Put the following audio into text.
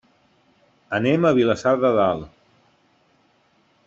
Anem a Vilassar de Dalt.